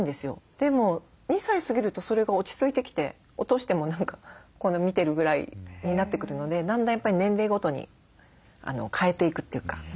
でも２歳過ぎるとそれが落ち着いてきて落としても何かこんな見てるぐらいになってくるのでだんだんやっぱり年齢ごとに変えていくというか。